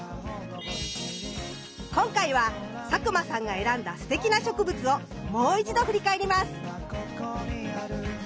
今回は佐久間さんが選んだすてきな植物をもう一度振り返ります。